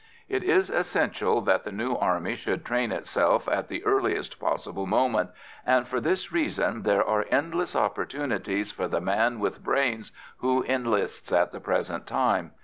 It is essential that the new army should train itself at the earliest possible moment, and for this reason there are endless opportunities for the man with brains who enlists at the present time.